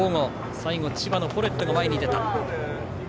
最後、千葉のフォレットが前に出た。